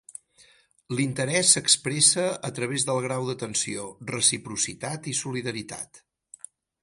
L'interès s'expressa a través del grau d'atenció, reciprocitat i solidaritat.